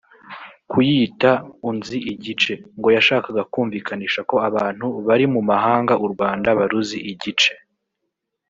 Kuyita “Unzi Igice” ngo yashakaga kumvikanisha ko abantu bari mu mahanga u Rwanda baruzi igice